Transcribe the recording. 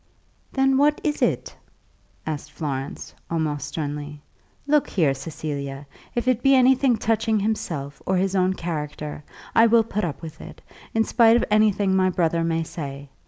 "Then what is it?" asked Florence, almost sternly. "Look here, Cecilia; if it be anything touching himself or his own character, I will put up with it, in spite of anything my brother may say.